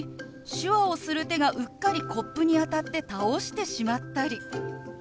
手話をする手がうっかりコップに当たって倒してしまったり。